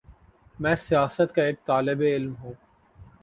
میں سیاست کا ایک طالب علم ہوں۔